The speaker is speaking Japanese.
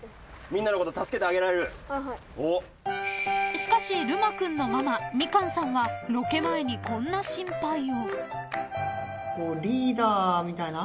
［しかしるま君のママみかんさんはロケ前にこんな心配を］